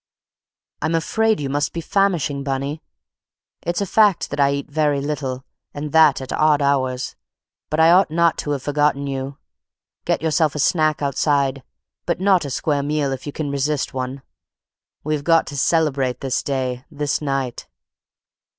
"I'm afraid you must be famishing, Bunny. It's a fact that I eat very little, and that at odd hours, but I ought not to have forgotten you. Get yourself a snack outside, but not a square meal if you can resist one. We've got to celebrate this day this night!"